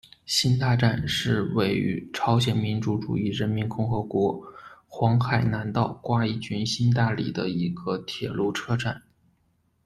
新大站是位于朝鲜民主主义人民共和国黄海南道瓜饴郡新大里的一个铁路车站。